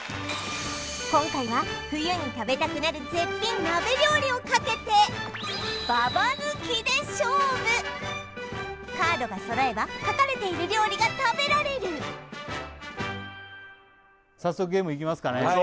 今回は冬に食べたくなる絶品鍋料理をかけてババ抜きで勝負カードが揃えば書かれている料理が食べられる早速ゲームいきますかね